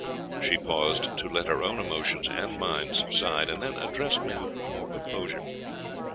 She paused to let her own emotions and mine subside, and then addressed me with more composure.